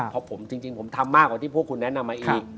เพราะผมจริงผมทำมากกว่าที่พวกคุณแนะนำมาอีก